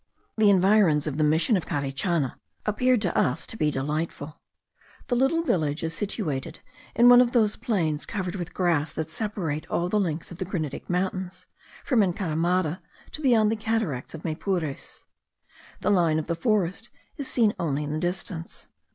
The environs of the Mission of Carichana appeared to us to be delightful. The little village is situated in one of those plains covered with grass that separate all the links of the granitic mountains, from Encaramada to beyond the Cataracts of Maypures. The line of the forests is seen only in the distance.